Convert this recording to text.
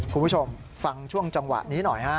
คุณผู้ชมฟังช่วงจังหวะนี้หน่อยฮะ